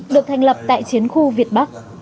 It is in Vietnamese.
được thành lập tại chiến khu việt bắc